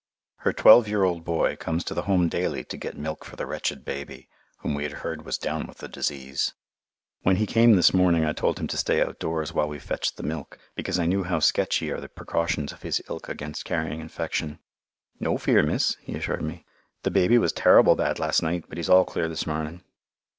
Her twelve year old boy comes to the Home daily to get milk for the wretched baby, whom we had heard was down with the disease. When he came this morning I told him to stay outdoors while we fetched the milk, because I knew how sketchy are the precautions of his ilk against carrying infection. "No fear, miss," he assured me. "The baby was terrible bad last night, but he's all clear this morning."